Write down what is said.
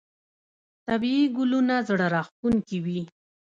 طبیعي ګلونه زړه راښکونکي وي.